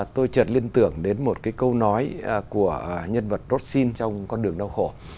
tôi trợt liên tưởng đến một cái câu nói của nhân vật rotsin trong con đường đau khổ